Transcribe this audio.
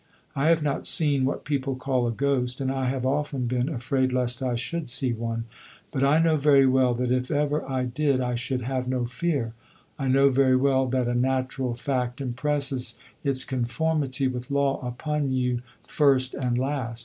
I have not seen what people call a ghost, and I have often been afraid lest I should see one. But I know very well that if ever I did I should have no fear. I know very well that a natural fact impresses its conformity with law upon you first and last.